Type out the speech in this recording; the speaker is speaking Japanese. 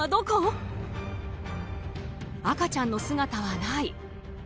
赤ちゃんの姿はない。